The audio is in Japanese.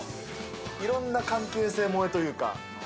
いろんな関係性萌えというか。